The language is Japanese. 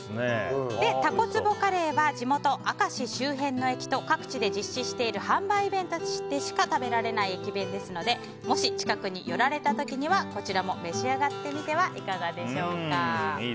たこ壺カレーは地元・明石周辺の駅と各地で実施している販売イベントでしか食べられない駅弁ですのでもし近くに寄られた時にはこちらも召し上がってみてはいかがでしょうか。